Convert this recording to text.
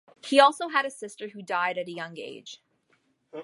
He also had a sister who died at a young age.